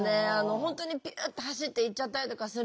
本当にピュッて走っていっちゃったりとかするので。